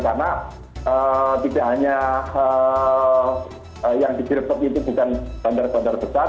karena tidak hanya yang dikirpet itu bukan bandar bandar besar